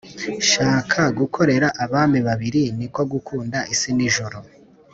nshaka gukorera abami babiri niko gukunda isi n’ ijuru